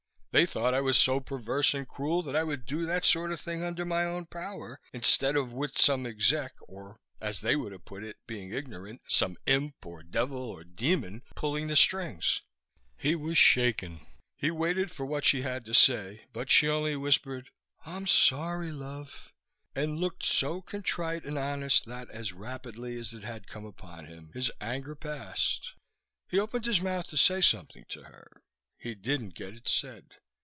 They thought I was so perverse and cruel that I would do that sort of thing under my own power, instead of with some exec or, as they would have put it, being ignorant, some imp, or devil, or demon pulling the strings." He was shaking. He waited for what she had to say; but she only whispered, "I'm sorry, love," and looked so contrite and honest that, as rapidly as it had come upon him, his anger passed. He opened his mouth to say something to her. He didn't get it said.